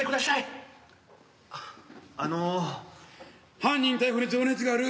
犯人逮捕に情熱がある。